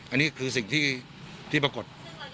อันนี้คือสิ่งที่ปรากฏ